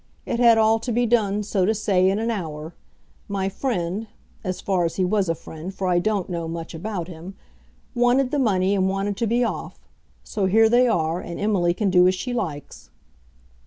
It had all to be done, so to say, in an hour. My friend, as far as he was a friend, for I don't know much about him, wanted the money and wanted to be off. So here they are, and Emily can do as she likes."